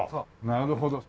なるほど。